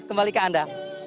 kembali ke anda